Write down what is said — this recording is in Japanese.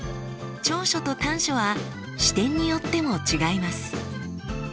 長所と短所は視点によっても違います。